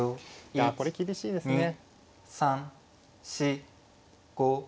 いやこれ厳しいですね。